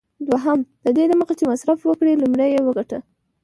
دوهم: ددې دمخه چي مصرف وکړې، لومړی یې وګټه.